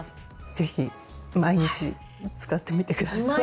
ぜひ毎日使ってみて下さい。